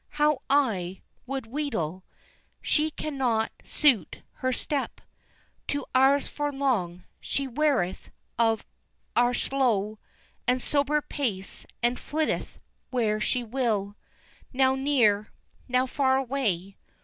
How I Would wheedle! She cannot suit her step To ours for long, she wearieth of our slow And sober pace and flitteth where she will Now near, now far away.